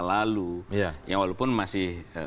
yang lalu yang walaupun masih